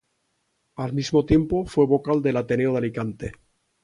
Al mismo tiempo, fue vocal del Ateneo de Alicante.